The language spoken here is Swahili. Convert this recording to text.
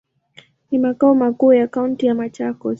Ni makao makuu ya kaunti ya Machakos.